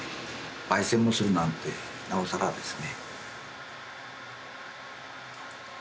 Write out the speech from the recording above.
ばい煎もするなんてなおさらですね。